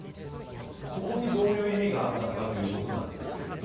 そこにどういう意味があったのかということなんですけれど。